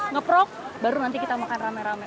ngeprok baru nanti kita makan rame rame